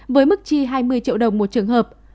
với mức chi hai mươi triệu đồng một trường hợp